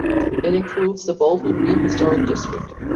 It includes the Bolton Green Historic District.